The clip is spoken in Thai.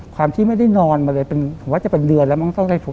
ความที่ไม่ได้นอนมาเลยผมว่าจะเป็นเดือนแล้วมั้งต้องได้โทร